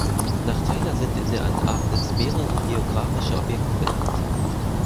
Nach Taylor sind in der Antarktis mehrere geographische Objekte benannt.